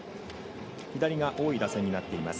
左が多い打線になっています。